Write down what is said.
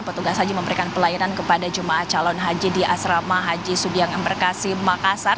petugas haji memberikan pelayanan kepada jemaah calon haji di asrama haji subiang embarkasi makassar